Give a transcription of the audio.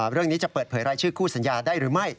เรื่องนี้จะเปิดเผยรายชื่อคู่สัญญาได้หรือไม่